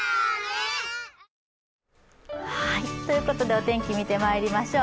お天気見てまいりましょう。